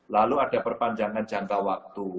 lalu ada perpanjangan jangka waktu